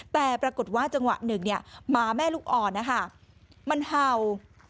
แต่ปรากฏว่าจังหวะหนึ่งหมาแม่ลูกอ่อนนะคะมันเห่า